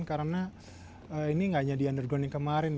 karena ini gak hanya di underground yang kemarin